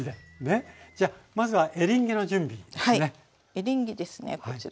エリンギですねこちら。